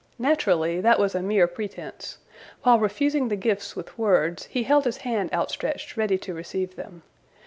Naturally, that was a mere pretense. While refusing the gifts with words, he held his hand outstretched ready to receive them.